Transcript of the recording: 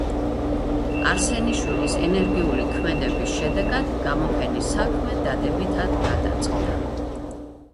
არსენიშვილის ენერგიული ქმედების შედეგად გამოფენის საქმე დადებითად გადაწყდა.